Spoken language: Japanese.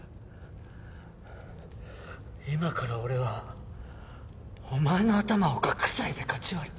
今から俺はお前の頭を角材でかち割る。